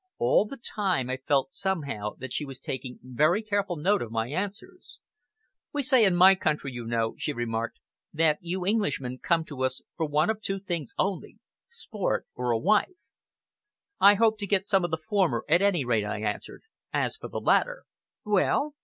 All the time I felt somehow that she was taking very careful note of my answers. "We say in my country, you know," she remarked, "that you Englishmen come to us for one of two things only sport or a wife!" "I hope to get some of the former, at any rate," I answered. "As for the latter!" "Well?"